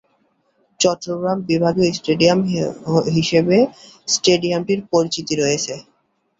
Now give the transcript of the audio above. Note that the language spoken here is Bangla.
চট্টগ্রাম বিভাগীয় স্টেডিয়াম হিসেবে স্টেডিয়ামটির পরিচিতি রয়েছে।